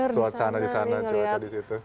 suasana di sana cuaca di situ